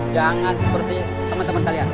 jangan seperti temen temen kalian